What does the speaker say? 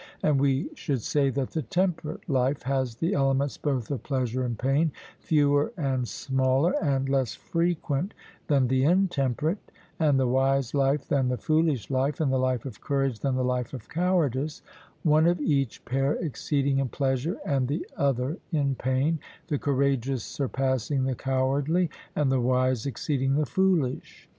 And we should say that the temperate life has the elements both of pleasure and pain fewer and smaller and less frequent than the intemperate, and the wise life than the foolish life, and the life of courage than the life of cowardice; one of each pair exceeding in pleasure and the other in pain, the courageous surpassing the cowardly, and the wise exceeding the foolish.